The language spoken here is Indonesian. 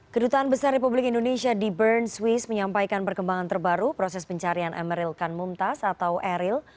kedutaan besar republik indonesia di bern swiss menyampaikan perkembangan terbaru proses pencarian emeril kan mumtaz atau eril